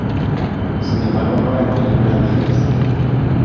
Sin embargo, no ganó en ninguna de ellas.